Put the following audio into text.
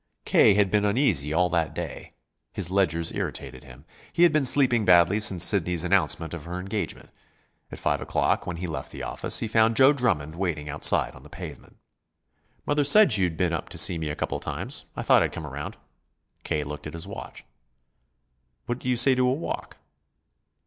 K. had been uneasy all that day; his ledgers irritated him. He had been sleeping badly since Sidney's announcement of her engagement. At five o'clock, when he left the office, he found Joe Drummond waiting outside on the pavement. "Mother said you'd been up to see me a couple of times. I thought I'd come around." K. looked at his watch. "What do you say to a walk?"